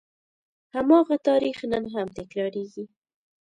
هماغه تاریخ نن هم تکرارېږي.